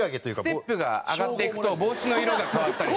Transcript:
ステップが上がっていくと帽子の色が変わったりする。